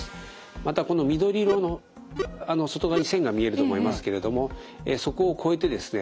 またこの緑色の外側に線が見えると思いますけれどもそこを越えてですね